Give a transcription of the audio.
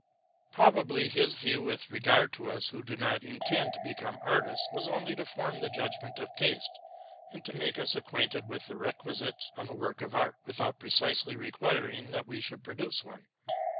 Probably his view with regard to us who did not intend to become artists, was only to form the judgment and taste, and.to make us acquainted with the requisites of a work of art, without precisely requiring that we should produce one.